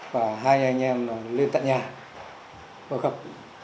và hai anh em nó lên tặng nhà và gặp